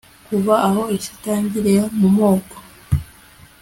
kuva aho isi itangirira, mu moko